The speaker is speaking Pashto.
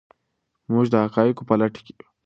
موږ د حقایقو په لټه کې یو.